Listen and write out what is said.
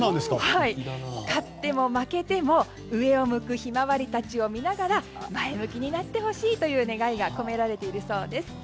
勝っても負けても上を向くヒマワリたちを見ながら前向きになってほしいという願いが込められているそうです。